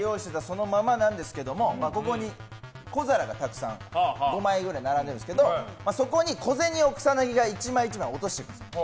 そのままなんですがここに小皿がたくさん５枚くらい並んでるんですけどそこに小銭を草薙が１枚１枚落としていきます。